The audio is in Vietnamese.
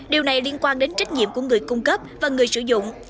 điều này liên quan đến trách nhiệm của người cung cấp và người sử dụng